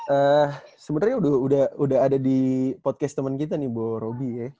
eh sebenarnya udah ada di podcast temen kita nih bu roby ya